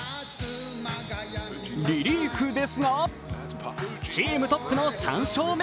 リリーフですが、チームトップの３勝目。